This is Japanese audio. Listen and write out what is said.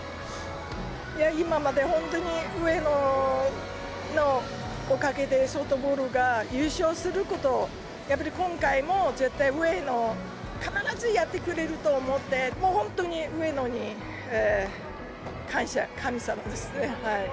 今まで本当に上野のおかげでソフトボールが優勝すること、やっぱり今回も絶対上野、必ずやってくれると思って、もう本当に上野に、感謝、神様ですね。